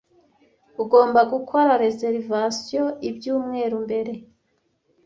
ugomba gukora reservations ibyumweru mbere.